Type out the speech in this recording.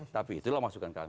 tapi itulah masukan kantor